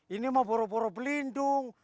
ini mah boro boro pelindung